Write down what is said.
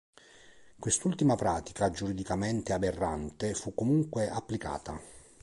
Quest'ultima pratica, giuridicamente aberrante, fu comunque applicata.